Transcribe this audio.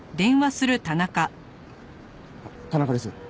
田中です。